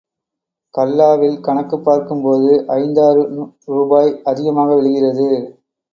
கல்லா வில் கணக்குப் பார்க்கும்போது, ஐந்தாறுரூபாய் அதிகமாக விழுகிறது.